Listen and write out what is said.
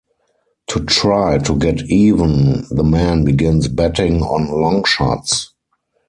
To try to get even, the man begins betting on long shots.